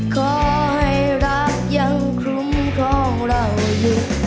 ขอให้รักยังคุ้มครองเราอยู่